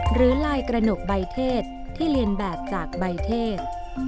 หรือลายกระหนกใบเทศที่เรียนแบบจากใบเทศ